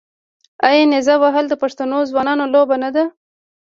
آیا نیزه وهل د پښتنو ځوانانو لوبه نه ده؟